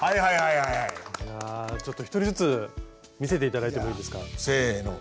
いやちょっと１人ずつ見せて頂いてもいいですか？せの。